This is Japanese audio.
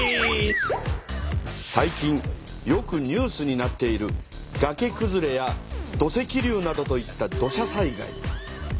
最近よくニュースになっているがけくずれや土石流などといった土砂災害。